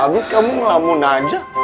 abis kamu ngelamun aja